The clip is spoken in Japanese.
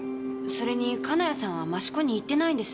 それに金谷さんは益子に行ってないんです。